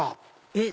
えっ！